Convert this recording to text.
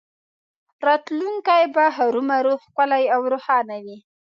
راتلونکی به هرومرو ښکلی او روښانه وي